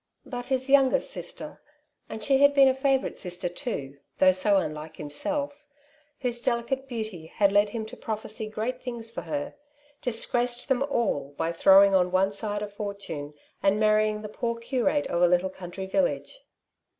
But his youngest sister — and she had been a favourite sister too, though so unlike himself — ^whose delicate beauty had led him to prophesy great things for her, dis graced them all by throwing on one side a fortune, and marrying the poor curate of a little country village.